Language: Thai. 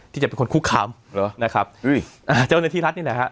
ที่จะเป็นคนคุกคามเหรอนะครับอุ้ยอ่าเจ้าหน้าที่รัฐนี่แหละฮะ